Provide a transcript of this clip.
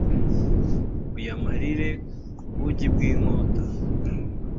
uyamarire ku bugi bw’inkota.